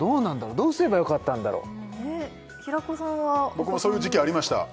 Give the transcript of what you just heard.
どうすればよかったんだろう平子さんはお子さんの僕もそういう時期ありました